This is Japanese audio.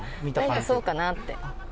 何かそうかなって。